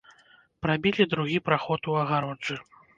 Прабілі другі праход у агароджы.